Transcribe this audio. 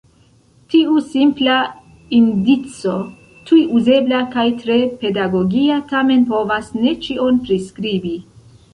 Tiu simpla indico, tuj uzebla kaj tre pedagogia tamen povas ne ĉion priskribi.